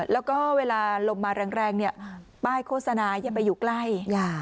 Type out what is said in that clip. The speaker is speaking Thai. แล้วก็เวลาลมมาแรงเนี่ยป้ายโฆษณาอย่าไปอยู่ใกล้